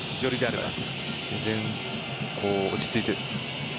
全然落ち着いている。